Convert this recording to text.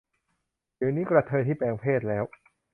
เดี๋ยวนี้กระเทยที่แปลงเพศแล้ว